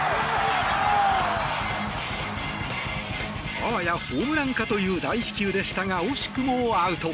あわやホームランかという大飛球でしたが惜しくもアウト。